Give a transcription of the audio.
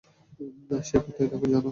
সে কোথায় থাকে জানো?